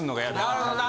なるほど。